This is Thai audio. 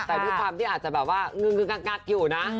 แต่ด้วยความที่อาจจะแบบว่างึกกักอยู่นะ